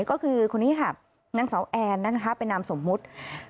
ก็คือคนนี้ค่ะน้างสาวแอร์เป็นนามสมมุติ